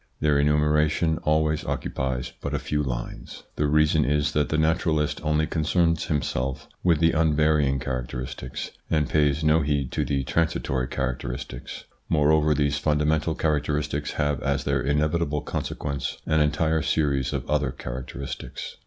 Their enumeration always occupies but a few lines. 26 THE PSYCHOLOGY OF PEOPLES: The reason is that the naturalist only concerns himself with the unvarying characteristics, and pays no heed to the transitory characteristics. Moreover these fundamental characteristics have as their inevitable consequence an entire series of other characteristics.